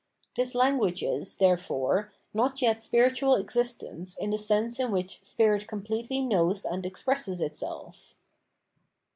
This language is, therefore, not yet spiritual existence in the sense in which spirit com pletely knows and expresses itself.